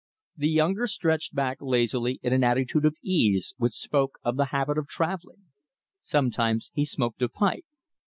The younger stretched back lazily in an attitude of ease which spoke of the habit of travelling. Sometimes he smoked a pipe.